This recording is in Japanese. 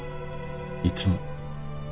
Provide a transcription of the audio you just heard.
いつも。